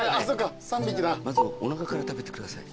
まずおなかから食べてください。